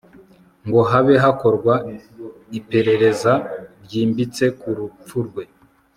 ngo habe hakorwa iperereza ryimbitsekurupfurwe